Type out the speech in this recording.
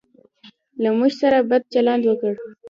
له موږ سره بد چلند وکړ.